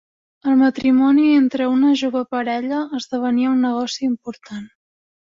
El matrimoni entre una jove parella esdevenia un negoci important.